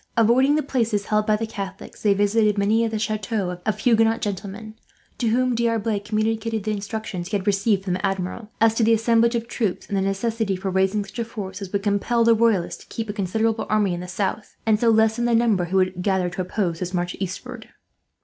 Avoiding the places held by the Catholics, they visited many of the chateaux of Huguenot gentlemen, to whom D'Arblay communicated the instructions he had received, from the Admiral, as to the assemblage of troops, and the necessity for raising such a force as would compel the Royalists to keep a considerable army in the south, and so lessen the number who would gather to oppose his march eastward.